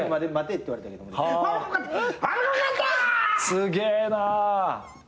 すげえな。